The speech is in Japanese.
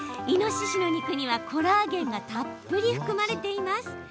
イノシシの肉には、コラーゲンがたっぷり含まれています。